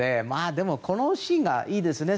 でも、このシーンがいいですね。